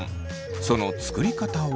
その作り方は。